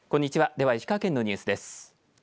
では、石川県のニュースです。